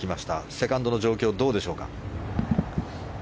セカンドの状況はどうでしょうか。